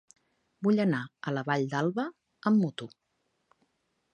Vull anar a la Vall d'Alba amb moto.